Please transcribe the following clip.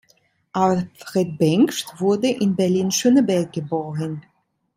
Alfred Bengsch wurde in Berlin-Schöneberg geboren.